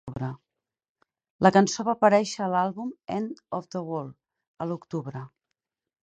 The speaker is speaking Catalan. La cançó va aparèixer a l'àlbum "End of the World" a l'octubre.